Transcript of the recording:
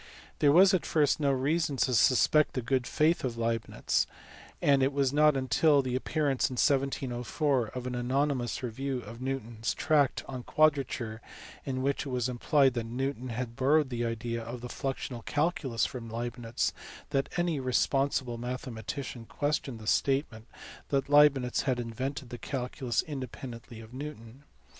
There was at first no reason to suspect the good faith of Leibnitz; and it was not until the appearance in 1704 of an anonymous review of Newton s tract on quadrature, in which it was implied that Newton had borrowed the idea of the fluxional calculus from Leibnitz, that any responsible mathe matician* questioned the statement that Leibnitz had invented the calculus independently of Newton.